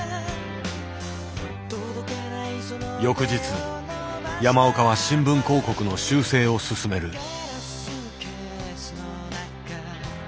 翌日山岡は新聞広告の修正を進める。